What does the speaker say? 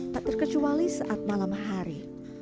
tak terkecuali saat malam hari